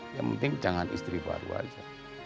yang penting jangan istri baru aja